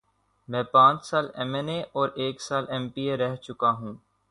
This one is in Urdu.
میں پانچ سال ایم این اے اور ایک سال ایم پی اے رہ چکا ہوں۔